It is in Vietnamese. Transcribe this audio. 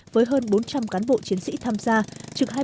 với hơn bốn trăm linh cán bộ chiến sĩ đồn biên phòng